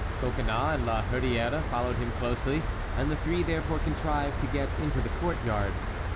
Coconnas and La Hurière followed him closely and the three therefore contrived to get into the court yard.